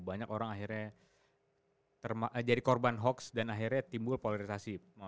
banyak orang akhirnya jadi korban hoax dan akhirnya timbul polarisasi